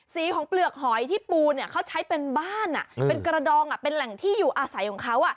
สีของเปลือกหอยที่ปูเขาใช้เป็นบ้านเป็นกระดองเป็นแหล่งที่อยู่อาศัยของเขา